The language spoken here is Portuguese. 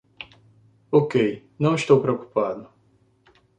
Ok, não estou preocupado.